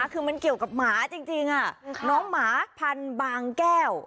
คือมันเกี่ยวกับหมาจริงน้องหมาพันธุ์บางแก้ว